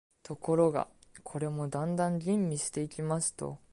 ところが、これもだんだん吟味していきますと、